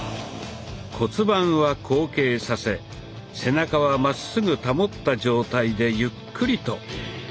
骨盤は後傾させ背中はまっすぐ保った状態でゆっくりと。